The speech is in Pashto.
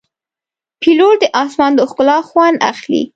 پیلوټ د آسمان د ښکلا خوند اخلي.